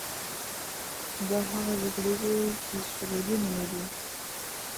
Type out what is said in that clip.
دا هغه جګړې وې چي صليبي نومېدې.